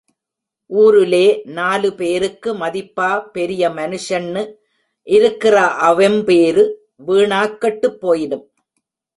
ஊருலே நாலு பேருக்கு, மதிப்பா பெரிய மனுஷென்னு இருக்கிற அவெம் பேரு வீணாக் கெட்டுப் போயிடும்.